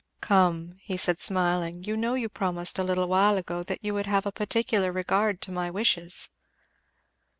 "Come! " he said smiling, "you know you promised a little while ago that you would have a particular regard to my wishes."